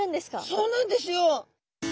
そうなんですよ。